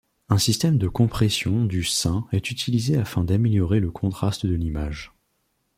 Un système de compression du sein est utilisé afin d'améliorer le contraste de l'image.